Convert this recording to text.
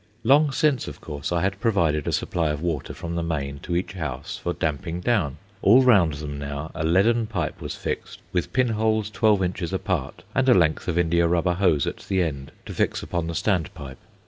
Long since, of course, I had provided a supply of water from the main to each house for "damping down." All round them now a leaden pipe was fixed, with pin holes twelve inches apart, and a length of indiarubber hose at the end to fix upon the "stand pipe."